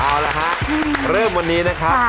เอาละฮะเริ่มวันนี้นะครับ